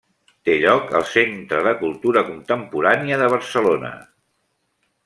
Té lloc al Centre de Cultura Contemporània de Barcelona.